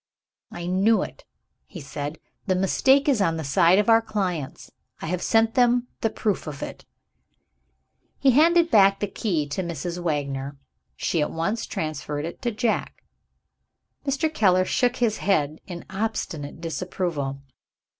"I knew it!" he said. "The mistake is on the side of our clients; I have sent them the proof of it." He handed back the key to Mrs. Wagner. She at once transferred it to Jack. Mr. Keller shook his head in obstinate disapproval.